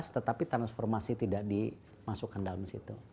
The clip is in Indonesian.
tetapi transformasi tidak dimasukkan dalam situ